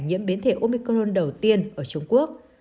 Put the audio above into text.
nhiễm biến thể omicron đầu tiên ở trung quốc